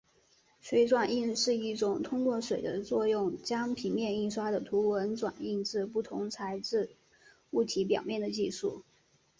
水转印是一种通过水的作用将平面印刷的图文转印至不同材质物体表面的技术。